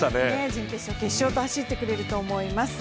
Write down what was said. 準決勝、決勝と走ってくれると思います。